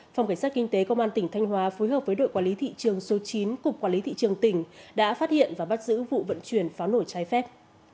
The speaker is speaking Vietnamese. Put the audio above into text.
phòng cảnh sát kinh tế công an tỉnh thanh hóa phối hợp với đội quản lý thị trường số chín cục quản lý thị trường tỉnh đã phát hiện và bắt giữ vụ vận chuyển pháo nổi trái phép